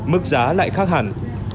mức giá lại khác hẳn